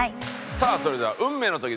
さあそれでは運命の時です。